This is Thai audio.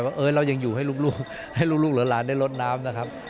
ว่าเรายังอยู่ให้ลูกให้ลูกหลานได้ลดน้ำนะครับ